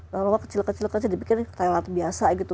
lalu kecil kecil kecil dipikir tayang lalat biasa gitu